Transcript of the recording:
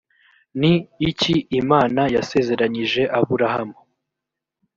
ni iki imana yasezeranyije aburahamu